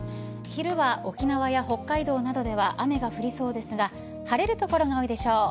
昼は沖縄や北海道などでは雨が降りそうですが晴れる所が多いでしょう。